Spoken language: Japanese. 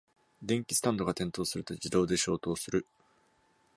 電気スタンドが転倒すると自動で消灯する